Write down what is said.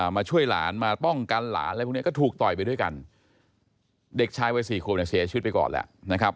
มาช่วยหลานมาป้องกันหลานอะไรพวกนี้ก็ถูกต่อยไปด้วยกันเด็กชายวัยสี่ขวบเนี่ยเสียชีวิตไปก่อนแล้วนะครับ